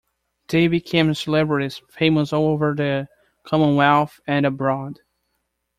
They became celebrities, famous all over the Commonwealth and abroad.